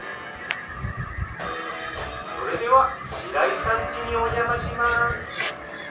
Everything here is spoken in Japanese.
それでは白井さん家におじゃまします。